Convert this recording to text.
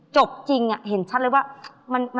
ช่วยฝังดินหรือกว่า